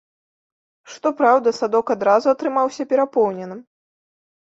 Што праўда, садок адразу атрымаўся перапоўненым.